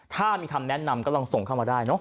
ถ้ามีคำแนะนำก็ลองส่งเข้ามาได้เนอะ